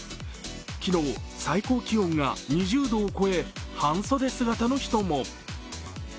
昨日、最高気温が２０度を超え半袖姿の人も。